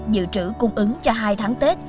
dự trữ cung ứng cho hai tháng tết